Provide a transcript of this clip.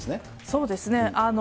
そうですね。